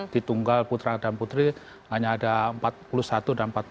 di tunggal putra dan putri hanya ada empat puluh satu dan empat puluh